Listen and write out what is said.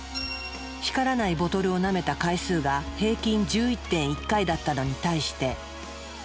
光らないボトルをなめた回数が平均１１．１回だったのに対して。